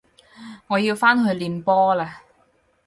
我要返去練波喇